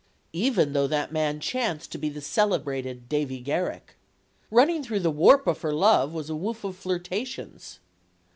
Even though that man chanced to be the celebrated Davy Garrick. Running through the warp of her love was a woof of flirtations.